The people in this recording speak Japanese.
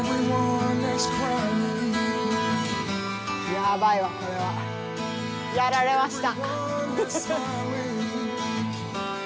やばいわこれは。やられました。